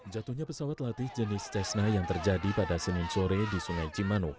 jatuhnya pesawat latih jenis cessna yang terjadi pada senin sore di sungai cimanu